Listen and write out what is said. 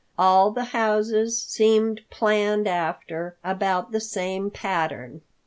All the houses seemed planned after about the same pattern.